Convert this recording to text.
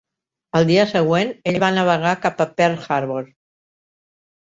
Al dia següent ell va navegar cap a Pearl Harbor.